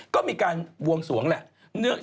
ก็มีการบวงสวงแหละ